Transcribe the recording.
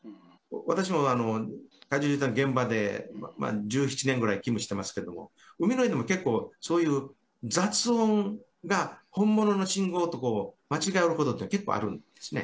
私も海上自衛隊の現場で、１７年ぐらい勤務してますけれども、海の上でも結構、そういう雑音が本物の信号と間違うことって結構あるんですね。